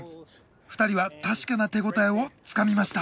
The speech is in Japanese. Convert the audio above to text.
２人は確かな手応えをつかみました。